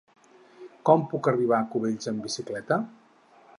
Com puc arribar a Cubells amb bicicleta?